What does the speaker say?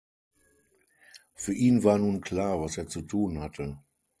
Für ihn war nun klar, was er zu tun hatte.